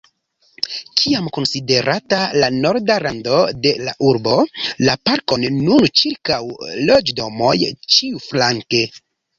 Kiam konsiderata la norda rando de la urbo, la parkon nun ĉirkaŭ loĝdomoj ĉiuflanke.